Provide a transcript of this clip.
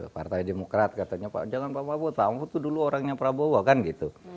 partai demokrat katanya pak jangan pak mahfud pak mahfud itu dulu orangnya prabowo kan gitu